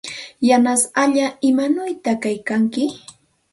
Yanasallaa, ¿imanawta kaykanki?